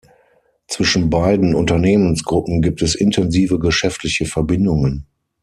Zwischen beiden Unternehmensgruppen gibt es intensive geschäftliche Verbindungen.